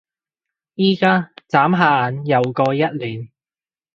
而家？眨下眼又過一年